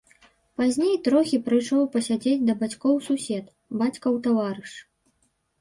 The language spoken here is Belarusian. Пазней трохі прыйшоў пасядзець да бацькі сусед, бацькаў таварыш.